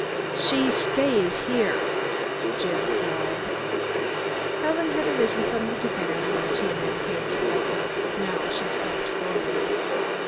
"She stays here!" Jim cried. Helen had arisen from the divan when the two men came together. Now she stepped forward.